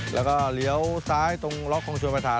แล้วก็เลี้ยวซ้ายตรงล็อกของชวนประธาน